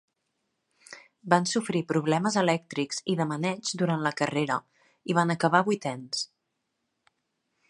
Van sofrir problemes elèctrics i de maneig durant la carrera i van acabar vuitens.